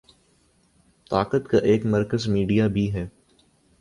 طاقت کا ایک مرکز میڈیا بھی ہے۔